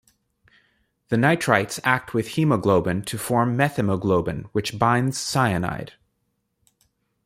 The nitrites act with hemoglobin to form methemoglobin which binds cyanide.